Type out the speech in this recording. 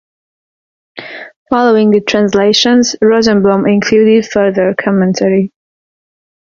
Following the translations, Rosenblum included further commentary.